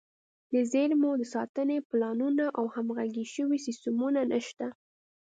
د زیرمو د ساتنې پلانونه او همغږي شوي سیستمونه نشته.